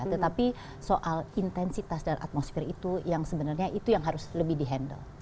tetapi soal intensitas dan atmosfer itu yang sebenarnya itu yang harus lebih di handle